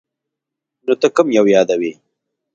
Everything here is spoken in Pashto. نو ته کوم یو یادوې ؟